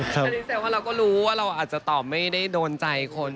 แสดงว่าเราก็รู้ว่าเราอาจจะตอบไม่ได้โดนใจคน